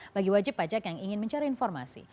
bagi wajib pajak yang ingin mencari informasi